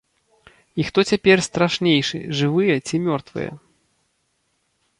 І хто цяпер страшнейшы, жывыя ці мёртвыя?